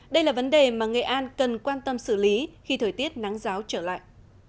đây là vấn đề mà nghệ an cần quan tâm xử lý khi thời tiết nắng giáo trở lại